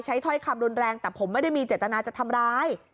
ถ้อยคำรุนแรงแต่ผมไม่ได้มีเจตนาจะทำร้าย